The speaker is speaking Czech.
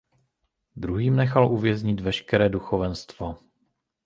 Druhým nechal uvěznit veškeré duchovenstvo.